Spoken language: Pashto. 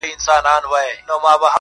پر دې دنیا سوځم پر هغه دنیا هم سوځمه.